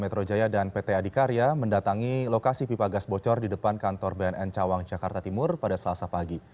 metro jaya dan pt adikarya mendatangi lokasi pipa gas bocor di depan kantor bnn cawang jakarta timur pada selasa pagi